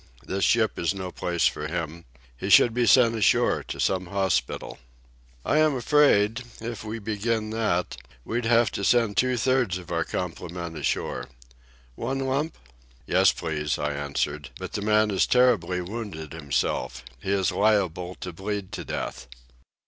"This ship is no place for him. He should be sent ashore to some hospital." "I am afraid, if we begin that, we'd have to send two thirds of our complement ashore—one lump? "Yes, please," I answered. "But the man has terribly wounded himself. He is liable to bleed to death."